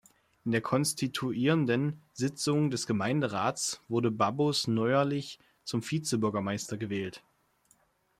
In der konstituierenden Sitzung des Gemeinderats wurde Babos neuerlich zum Vizebürgermeister gewählt.